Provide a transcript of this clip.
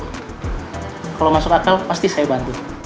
kalau masuk akal pasti saya bantu